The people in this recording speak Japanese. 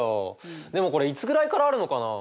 でもこれいつぐらいからあるのかな？